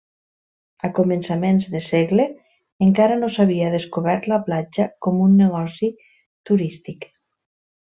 A començaments de segle, encara no s'havia descobert la platja com un negoci turístic.